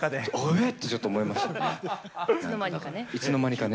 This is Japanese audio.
ええ！ってちょっと思いましたね。